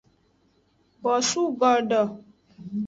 Bosu godo.